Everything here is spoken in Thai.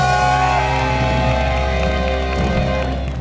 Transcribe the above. เย้